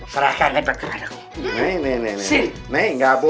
serahkan lewat keranaku